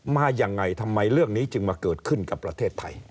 มายังไงทำไมเรื่องนี้จึงมาเกิดขึ้นกับประเทศไทย